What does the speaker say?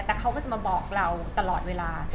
แต่เขาก็จะมาบอกเราตลอดเวลา